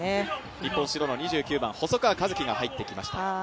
日本、２９番、細川一輝が入ってきました。